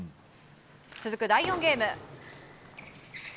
続く第４ゲーム。